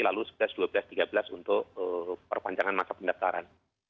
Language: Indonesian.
lalu sekitar dua belas tiga belas untuk perpanjangan masa pendaftaran